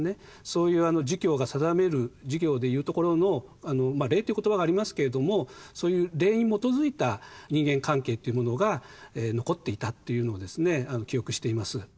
そういう儒教が定める儒教でいうところの「礼」っていう言葉がありますけれどもそういう礼に基づいた人間関係っていうものが残っていたというのをですね記憶しています。